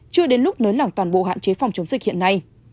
chưa đến lúc nới lỏng toàn bộ hạn chế phòng chống dịch hiện nay